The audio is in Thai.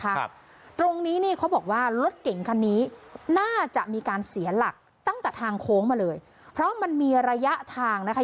ครับตรงนี้นี่เขาบอกว่ารถเก่งคันนี้น่าจะมีการเสียหลักตั้งแต่ทางโค้งมาเลยเพราะมันมีระยะทางนะคะ